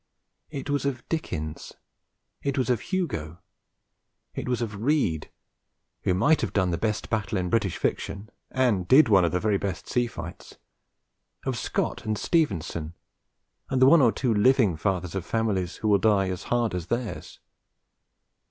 It was of Dickens. It was of Hugo. It was of Reade, who might have done the best battle in British fiction (and did one of the very best sea fights), of Scott and Stevenson and the one or two living fathers of families who will die as hard as theirs.